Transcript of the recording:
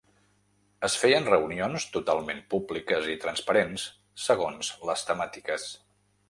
Es feien reunions, totalment públiques i transparents, segons les temàtiques.